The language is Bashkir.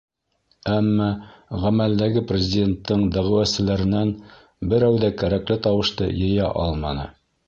Әммә ғәмәлдәге президенттың дәғүәселәренән берәү ҙә кәрәкле тауышты йыя алманы.